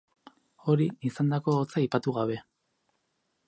Hori, izandako hotza aipatu gabe.